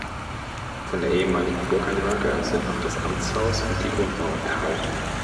Von der ehemaligen Burganlage sind noch das Amtshaus und die Grundmauern erhalten.